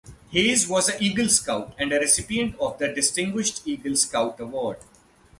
Hayes was an Eagle Scout and a recipient of the Distinguished Eagle Scout Award.